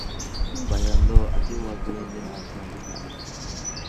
Баяндоо Атилла Гүвендин атынан жүргүзүлөт.